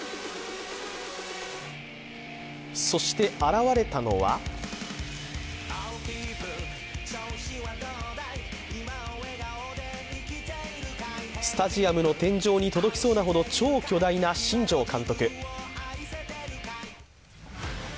そして現れたのはスタジアムの天井に届きそうなほど超巨大な新庄監督。